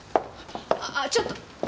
あぁちょっと！